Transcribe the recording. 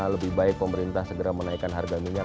lebih baik pemerintah segera menaikkan harga minyak